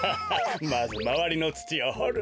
まずまわりのつちをほるんだよ。